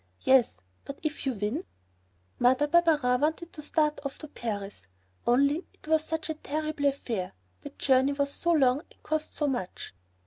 "Yes, but if you win!" Mother Barberin wanted to start off to Paris, only it was such a terrible affair ... the journey was so long, and cost so much!